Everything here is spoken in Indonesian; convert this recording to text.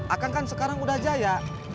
akan kan sekarang udah jaya